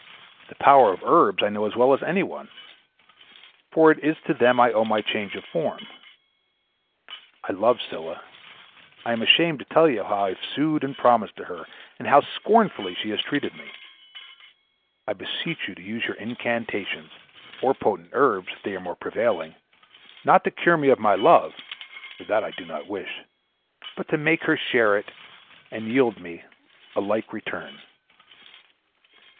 The power of herbs I know as well as any one, for it is to them I owe my change of form. I love Scylla. I am ashamed to tell you how I have sued and promised to her, and how scornfully she has treated me. I beseech you to use your incantations, or potent herbs, if they are more prevailing, not to cure me of my love, for that I do not wish, but to make her share it and yield me a like return."